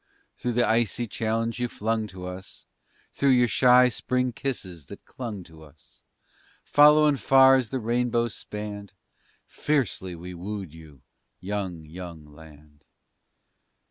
Through the icy challenge you flung to us, Through your shy Spring kisses that clung to us, Following far as the rainbow spanned, Fiercely we wooed you, young, young land!